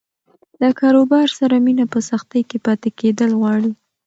له کاروبار سره مینه په سختۍ کې پاتې کېدل غواړي.